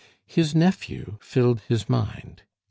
His nephew filled his mind.